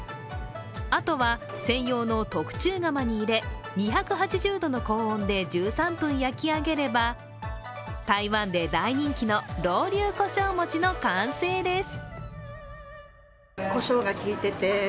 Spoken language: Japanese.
あとは専用の特注窯に入れ、２８０度の高温で１３分焼き上げれば台湾で大人気の老劉胡椒餅の完成です。